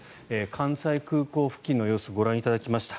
関西空港付近の様子ご覧いただきました。